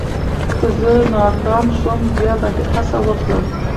که زه ناکام شوم، بیا به هڅه وکړم.